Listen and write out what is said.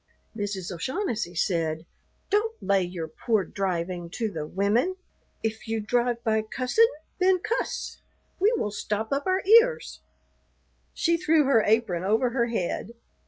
Mrs. O'Shaughnessy said, "Don't lay your poor driving to the women. If you drive by cussin', then cuss. We will stop up our ears." She threw her apron over her head.